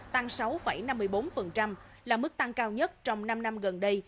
tăng sáu năm mươi bốn là mức tăng cao nhất trong năm năm gần đây